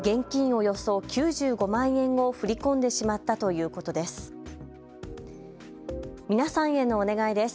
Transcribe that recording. およそ９５万円を振り込んでしまったということです。